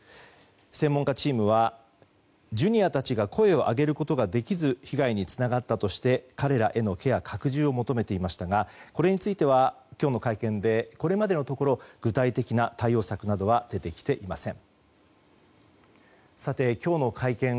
専門家チームは、Ｊｒ．たちが声を上げることができず被害につながったとして彼らへのケア拡充を求めていましたがこれについては、今日の会見でこれまでのところ具体的な対応策などは出てきていません。